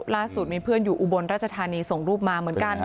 ล่าสุดมีเพื่อนอยู่อุบลราชธานีส่งรูปมาเหมือนกัน